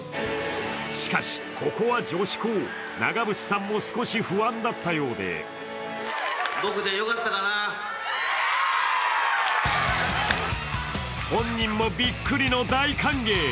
しかし、ここは女子校、長渕さんも少し不安だったようで本人もびっくりの大歓迎。